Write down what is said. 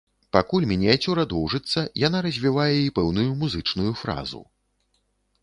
Пакуль мініяцюра доўжыцца, яна развівае і пэўную музычную фразу.